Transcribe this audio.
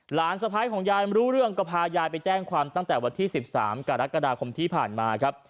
สะพ้ายของยายไม่รู้เรื่องก็พายายไปแจ้งความตั้งแต่วันที่๑๓กรกฎาคมที่ผ่านมาครับ